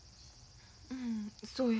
うんそうや。